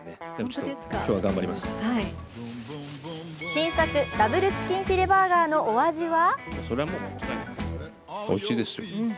新作、ダブルチキンフィレバーガーのお味は？